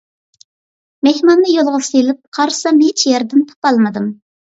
مېھماننى يولغا سېلىپ قارىسام ھېچ يەردىن تاپالمىدىم.